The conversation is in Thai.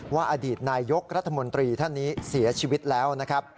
ว่าอดีตนายกรรธมนตรีท่านนี้เสียชีวิตแล้ว